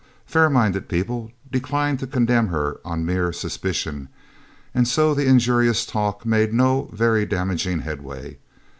Fairminded people declined to condemn her on mere suspicion, and so the injurious talk made no very damaging headway.